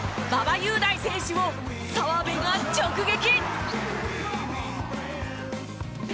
雄大選手を澤部が直撃！